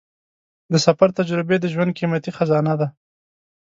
د سفر تجربې د ژوند قیمتي خزانه ده.